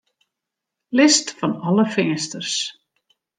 List fan alle finsters.